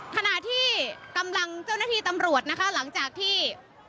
ขณะที่กำลังเจ้าหน้าที่ตำรวจนะคะหลังจากที่